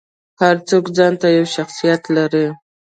هر څوک ځانته یو شخصیت لري.